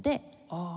ああ。